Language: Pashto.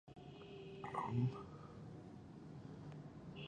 بد دود د ټټولني پر پرمختګ منفي اغېز کوي.